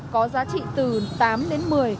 có giá trị từ tám đến một mươi